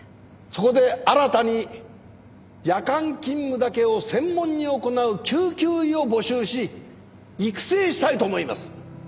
そこで新たに夜間勤務だけを専門に行う救急医を募集し育成したいと思います。